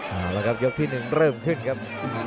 เอาละครับยกที่๑เริ่มขึ้นครับ